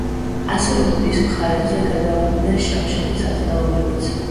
ასევე მტრის მხარეზე გადავიდნენ შავშეთის აზნაურებიც.